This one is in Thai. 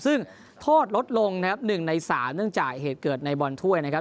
ซึ่งโทษลดลงนะครับ๑ใน๓เนื่องจากเหตุเกิดในบอลถ้วยนะครับ